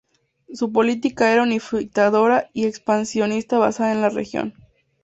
Su política era unificadora y expansionista, basada en la religión.